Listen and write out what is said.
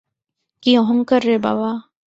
কী অহংকার রে বাবা।